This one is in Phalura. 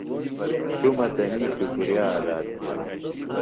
شُمہ تنی شُکریہ ادا تھِیلیۡ۔